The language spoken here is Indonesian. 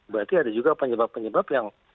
berarti ada juga penyebab penyebab yang